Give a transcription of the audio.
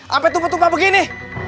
sampai tumpah tumpah begini